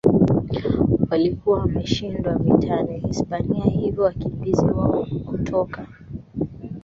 walikuwa wameshindwa vitani Hispania hivyo wakimbizi wao kutoka